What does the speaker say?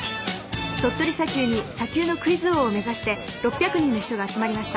鳥取砂丘に砂丘のクイズ王を目指して６００人の人が集まりました。